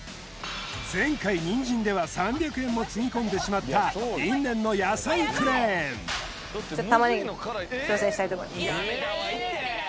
前回ニンジンでは３００円もつぎ込んでしまった因縁の野菜クレーンタマネギ挑戦したいと思います